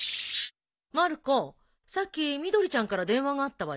まる子さっきみどりちゃんから電話があったわよ。